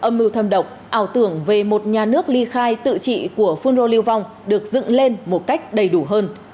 âm mưu thâm độc ảo tưởng về một nhà nước ly khai tự trị của phun rô lưu vong được dựng lên một cách đầy đủ hơn